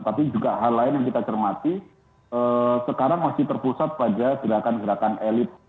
tapi juga hal lain yang kita cermati sekarang masih terpusat pada gerakan gerakan elit